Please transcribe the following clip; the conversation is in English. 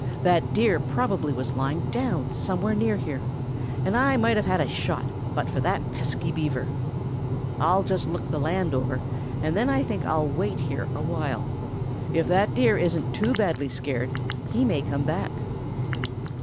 That Deer probably was lying down somewhere near here, and I might have had a shot but for that pesky Beaver. I'll just look the land over, and then I think I'll wait here awhile. If that Deer isn't too badly scared, he may come back."